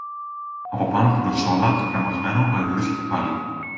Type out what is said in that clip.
Από πάνω από την κονσόλα το κρεμασμένο γαϊδουρίσιο κεφάλι